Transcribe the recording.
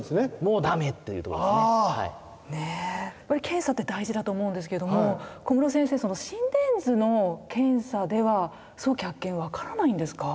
検査って大事だと思うんですけども小室先生その心電図の検査では早期発見わからないんですか？